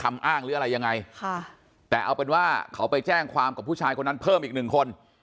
อ้างหรืออะไรยังไงค่ะแต่เอาเป็นว่าเขาไปแจ้งความกับผู้ชายคนนั้นเพิ่มอีกหนึ่งคน